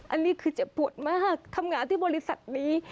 อันนี้คือเจ็บปวดมากทำงานที่บริษัทนี้